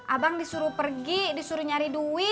abang disuruh pergi disuruh nyari duit